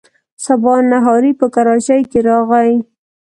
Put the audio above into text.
سبا نهاری په کراچۍ کې راغی.